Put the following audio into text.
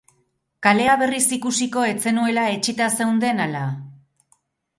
Kalea berriz ikusiko ez zenuela etsita zeunden ala?